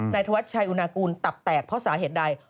ธวัชชัยอุณากูลตับแตกเพราะสาเหตุใด